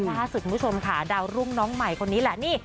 ล่าสุดคุณผู้ชมค่ะดาวรุ่งน้องใหม่คนนี้แหละนี่